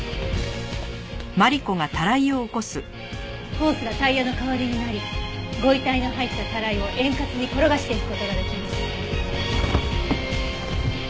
ホースがタイヤの代わりになりご遺体の入ったタライを円滑に転がしていく事ができます。